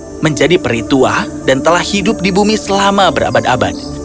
dia menjadi peri tua dan telah hidup di bumi selama berabad abad